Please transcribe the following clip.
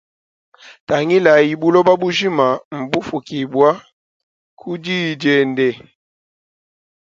Tangilayi buloba bujima mbufukibwa kui yi diende.